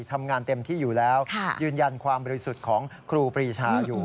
ทำงานเต็มที่อยู่แล้วยืนยันความบริสุทธิ์ของครูปรีชาอยู่